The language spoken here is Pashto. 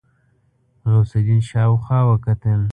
غوث الدين شاوخوا وکتل.